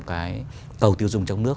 cái cầu tiêu dùng trong nước